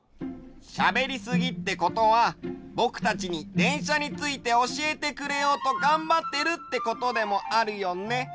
しゃべりすぎってことはぼくたちにでんしゃについておしえてくれようとがんばってるってことでもあるよね。